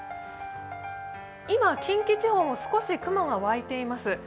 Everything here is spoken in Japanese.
今、近畿地方、少し雲が湧いています。